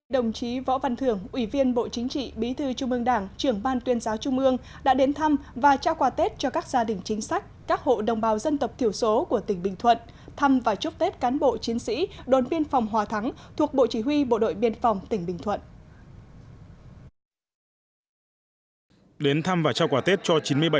đồng chí võ văn thưởng ủy viên bộ chính trị bí thư trung ương đảng trưởng ban tuyên giáo trung ương đã đến thăm và trao quà tết cho các gia đình chính sách các hộ đồng bào dân tộc thiểu số của tỉnh bình thuận thăm và chúc tết cán bộ chiến sĩ đồn viên phòng hòa thắng thuộc bộ chỉ huy bộ đội biên phòng tỉnh bình thuận